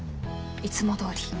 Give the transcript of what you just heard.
いつもどおり。